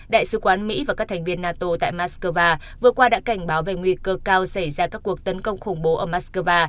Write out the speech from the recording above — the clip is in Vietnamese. đại sứ quán mỹ và các thành viên nato tại moscow vừa qua đã cảnh báo về nguy cơ cao xảy ra các cuộc tấn công khủng bố ở moscow